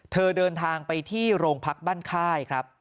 เดินทางไปที่โรงพักบ้านค่ายครับ